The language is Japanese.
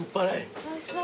おいしそう。